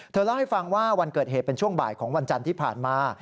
เล่าให้ฟังว่าวันเกิดเหตุเป็นช่วงบ่ายของวันจันทร์ที่ผ่านมา